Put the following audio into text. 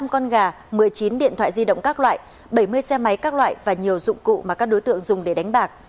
một mươi con gà một mươi chín điện thoại di động các loại bảy mươi xe máy các loại và nhiều dụng cụ mà các đối tượng dùng để đánh bạc